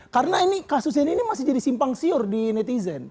karena ini kasus ini masih jadi simpang siur di netizen